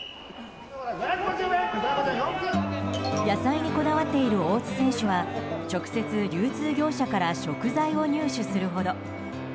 野菜にこだわっている大津選手は直接、流通業者から食材を入手するほど。